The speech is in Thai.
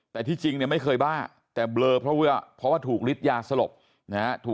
แต่ที่จริงเนี่ยไม่เคยบ้าแต่เบลอเพราะว่าเพราะว่าถูกฤทธิ์ยาสลบนะฮะ